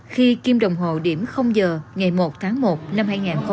khi kim đồng hồ điểm giờ ngày một tháng một năm hai nghìn hai mươi